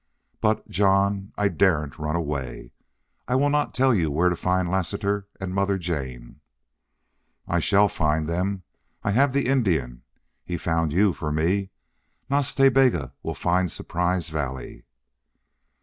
But, John, I daren't run away. I will not tell you where to find Lassiter and Mother Jane." "I shall find them I have the Indian. He found you for me. Nas Ta Bega will find Surprise Valley."